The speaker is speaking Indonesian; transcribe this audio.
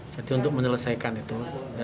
jadi untuk menyelesaikan itu